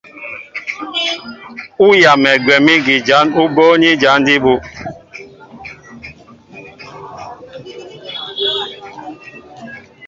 Ú yamɛ gwɛ̌m ígi jǎn ú bóóní jǎn jí bū.